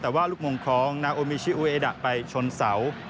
แต่ว่าลูกมงของนาโอมิชิอูเอดะไปชนเสา